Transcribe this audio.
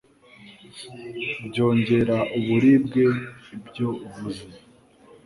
byongera uburibwe ibyo uvuze